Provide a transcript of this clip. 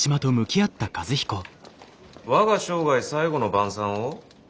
「我が生涯最後の晩餐」を？